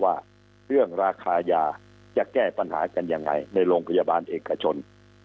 ว่าเรื่องราคายาจะแก้ปัญหากันยังไงในโรงพยาบาลเอกชน